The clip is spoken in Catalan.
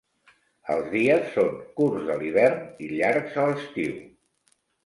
Els dies són curts a l'hivern i llargs a l'estiu.